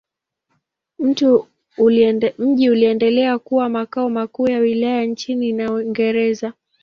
Mji uliendelea kuwa makao makuu ya wilaya chini ya Waingereza.